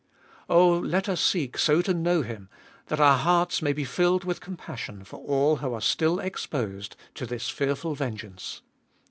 Oh, let us seek so to know Him, that our hearts may be filled with compassion for all who are still exposed to this fearful vengeance.